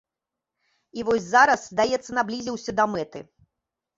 І вось зараз, здаецца, наблізіўся да мэты.